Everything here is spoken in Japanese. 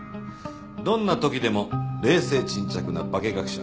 どんな時でも冷静沈着なバケ学者。